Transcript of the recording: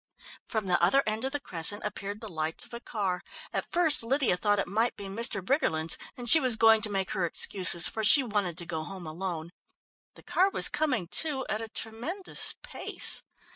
From the other end of the Crescent appeared the lights of a car. At first Lydia thought it might be Mr. Briggerland's, and she was going to make her excuses for she wanted to go home alone. The car was coming too, at a tremendous pace.